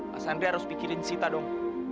mas andre harus pikirin sita dong